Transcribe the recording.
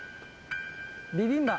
ビビンバ。